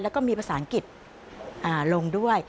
แล้วก็มีภาษาอังกฤษลงด้วย